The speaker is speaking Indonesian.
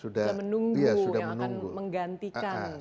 yang menunggu yang akan menggantikan